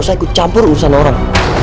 saya ikut campur urusan orang